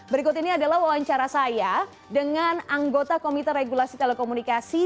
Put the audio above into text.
berikut ini adalah wawancara saya dengan anggota komite regulasi telekomunikasi